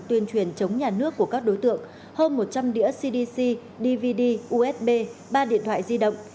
tuyên truyền chống nhà nước của các đối tượng hơn một trăm linh đĩa cdc dvd us usb ba điện thoại di động